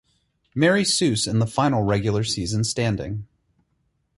Marie Soos in the final regular season standing.